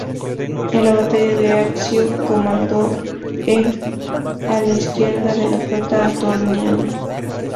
En la batalla de Accio comandó el ala izquierda de la flota antoniana.